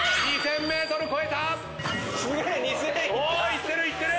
いってるいってる！